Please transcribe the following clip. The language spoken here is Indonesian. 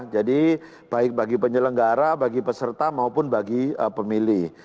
jadi baik bagi penyelenggara bagi peserta maupun bagi pemilih